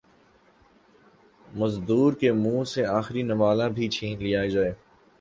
مزدور کے منہ سے آخری نوالہ بھی چھین لیا جائے